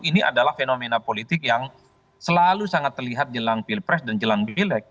ini adalah fenomena politik yang selalu sangat terlihat jelang pilpres dan jelang pilek